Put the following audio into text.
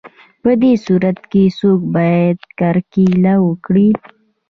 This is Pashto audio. په دې صورت کې څوک باید کرکیله وکړي